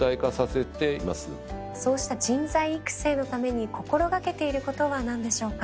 そうした人材育成のために心掛けていることは何でしょうか？